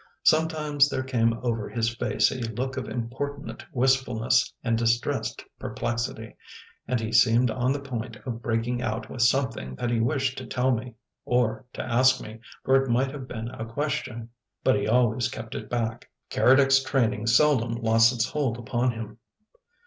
Sometimes there came over his face a look of importunate wistfulness and distressed perplexity, and he seemed on the point of breaking out with something that he wished to tell me or to ask me, for it might have been a question but he always kept it back. Keredec's training seldom lost its hold upon him.